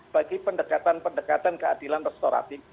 bagi pendekatan pendekatan keadilan restoratif